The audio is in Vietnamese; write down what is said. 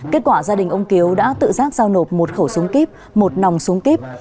kết quả gia đình ông kiếu đã tự giác giao nộp một khẩu súng kíp một nòng súng kíp